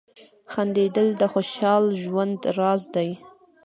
• خندېدل د خوشال ژوند راز دی.